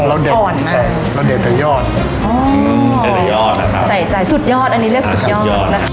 เราเด็ดสุดยอดอ๋ออืมสุดยอดนะครับใส่ใจสุดยอดอันนี้เรียกสุดยอดนะครับ